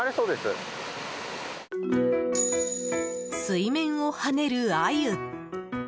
水面をはねるアユ！